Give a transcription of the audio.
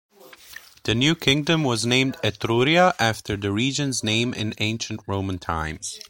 The new kingdom was named Etruria, after the region's name in ancient Roman times.